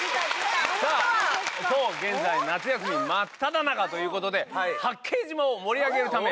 さぁ現在夏休み真っただ中ということで八景島を盛り上げるため。